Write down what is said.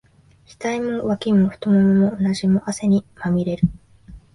額も、脇も、太腿も、うなじも、汗にまみれる。